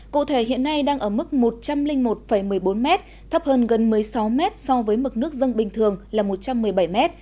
cụ thể hiện nay đang ở mức một trăm linh một một mươi bốn m thấp hơn gần một mươi sáu m so với mực nước dân bình thường là một trăm một mươi bảy m